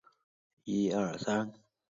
南北两侧分别与睦南道和常德道平行。